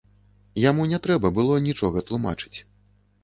Яму не трэба было нічога тлумачыць.